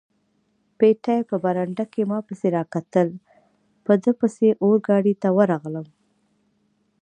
پېټی په برنډه کې ما پسې را کتل، په ده پسې اورګاډي ته ورغلم.